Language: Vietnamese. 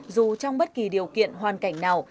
dù trong bất kỳ điều kiện hoàn cảnh nào